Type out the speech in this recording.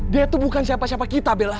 dia tuh bukan siapa siapa kita bela